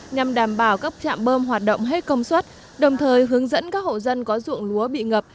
nhằm đảm bảo các trạm bơm hoạt động hết công suất đồng thời hướng dẫn các hộ dân có ruộng lúa bị ngập